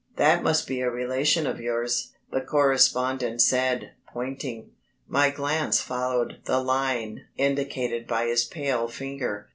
"That must be a relation of yours," the correspondent said, pointing. My glance followed the line indicated by his pale finger.